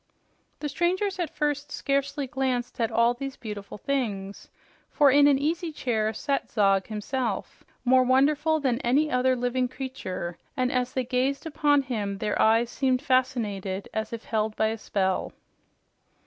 The strangers at first scarcely glanced at all these beautiful things, for in an easy chair sat Zog himself, more wonderful than any other living creature, and as they gazed upon him, their eyes seemed fascinated as if held by a spell.